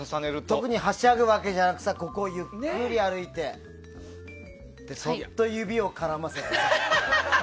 特にはしゃぐわけじゃなくここをゆっくり歩いてそっと指を絡ませて。